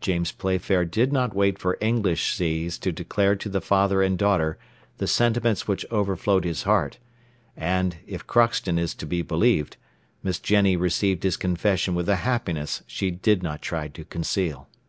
James Playfair did not wait for English seas to declare to the father and daughter the sentiments which overflowed his heart, and, if Crockston is to be believed, Miss Jenny received his confession with a happiness she did not try to conceal.